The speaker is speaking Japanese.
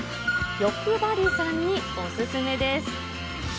欲張りさんにお勧めです。